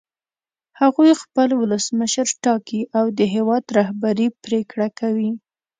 هغوی خپل ولسمشر ټاکي او د هېواد رهبري پرېکړه کوي.